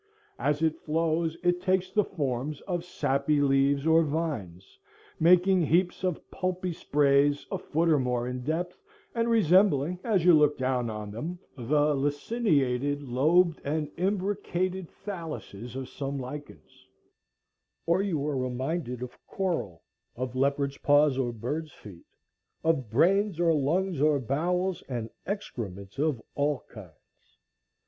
As it flows it takes the forms of sappy leaves or vines, making heaps of pulpy sprays a foot or more in depth, and resembling, as you look down on them, the laciniated, lobed, and imbricated thalluses of some lichens; or you are reminded of coral, of leopard's paws or birds' feet, of brains or lungs or bowels, and excrements of all kinds.